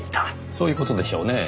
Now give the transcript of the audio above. そういう事でしょうねぇ。